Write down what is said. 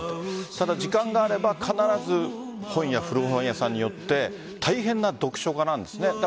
ただ時間があれば必ず古本屋さんに寄って大変な読書家なんです。